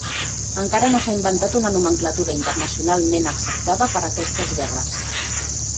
Encara no s'ha inventat una nomenclatura internacionalment acceptada per a aquestes guerres.